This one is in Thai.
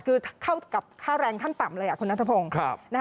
คือเข้ากับค่าแรงขั้นต่ำเลยคุณนัทพงศ์